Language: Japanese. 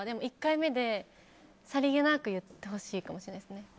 １回目でさりげなく言ってほしいかもしれないです。